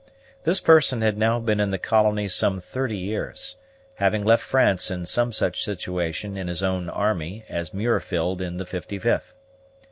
This person had now been in the colony some thirty years, having left France in some such situation in his own army as Muir filled in the 55th.